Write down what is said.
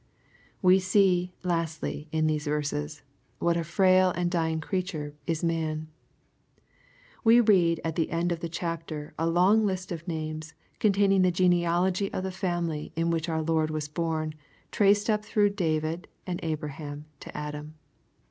We see, lastly, in these verses, what a frail and dying creature is man. We read at the end of the chapter a long list of names, containing the genealogy of the family in which our Lord was born, traced up through David and Abraham to Adam.